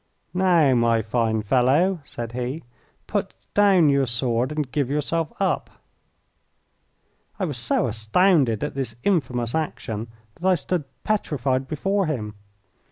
"Now, my fine fellow," said he, "put down your sword and give yourself up." I was so astounded at this infamous action that I stood petrified before him.